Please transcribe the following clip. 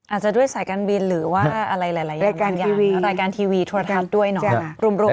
อาจจะด้วยหรือว่าอะไรหลายหลายอย่างทุ้นโทรทันด้วยหน่อย